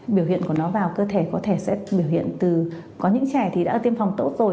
biểu hiện của nó vào cơ thể có thể sẽ biểu hiện từ có những trẻ thì đã tiêm phòng tốt rồi